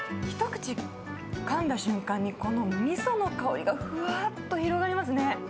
一口かんだ瞬間に、このみその香りがふわっと広がりますね。